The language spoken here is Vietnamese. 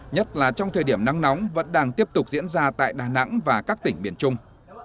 nhất là trong thời điểm nắng nóng vẫn đang tiếp tục diễn ra tại đà nẵng và các tỉnh miền trung